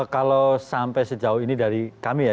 kalau sampai sejauh ini dari kami ya